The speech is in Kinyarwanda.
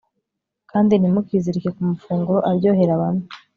kandi ntimukizirike ku mafunguro aryohera bamwe